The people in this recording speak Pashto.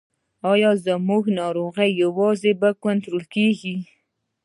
ایا زما ناروغي یوازې په کنټرول کیږي؟